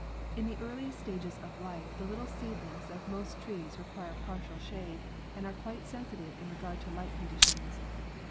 In the earliest stages of life the little seedlings of most trees require partial shade and are quite sensitive in regard to light conditions.